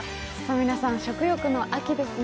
皆さん食欲の秋ですね。